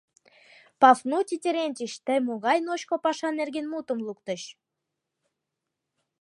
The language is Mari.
— Пафнутий Терентич, тый могай «ночко» паша нерген мутым луктыч?